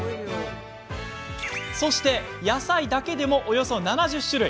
そして野菜だけでもおよそ７０種類。